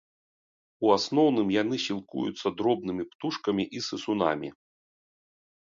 У асноўным яны сілкуюцца дробнымі птушкамі і сысунамі.